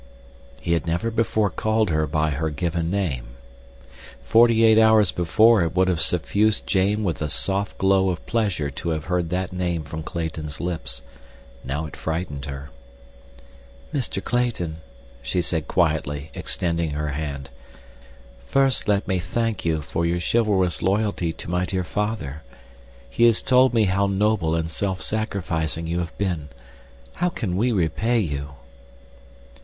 He had never before called her by her given name. Forty eight hours before it would have suffused Jane with a soft glow of pleasure to have heard that name from Clayton's lips—now it frightened her. "Mr. Clayton," she said quietly, extending her hand, "first let me thank you for your chivalrous loyalty to my dear father. He has told me how noble and self sacrificing you have been. How can we repay you!"